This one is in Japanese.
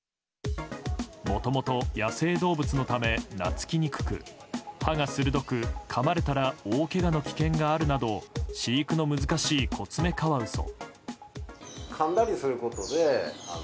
もともと野生動物のためなつきにくく歯が鋭く、かまれたら大けがの危険があるなど飼育の難しいコツメカワウソ。